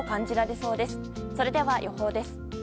それでは、予報です。